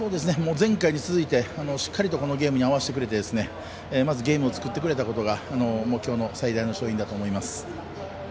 前回に続いてしっかりとこのゲームに合わせてくれてまずゲームを作ってくれたことがきょうの最大の勝因だと思います。